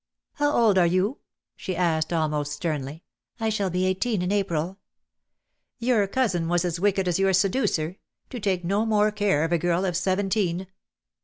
"How old are you?" she asked, almost sternly. "I shall be eighteen in April." "Your cousin was as wicked as your seducer: to take no more care of a girl of seventeen."